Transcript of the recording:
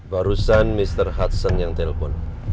barusan mr hatsen yang telpon